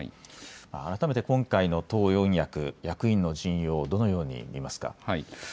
改めて今回の党四役、役員の陣容、どのように見ますか？